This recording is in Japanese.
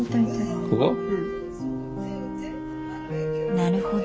なるほど。